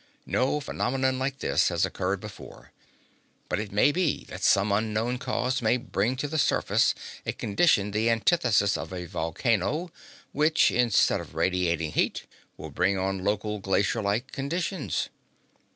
No phenomenon like this has occurred before, but it may be that some unknown cause may bring to the surface a condition the antithesis of a volcano, which, instead of radiating heat, will bring on local glacierlike conditions.